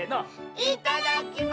いただきます！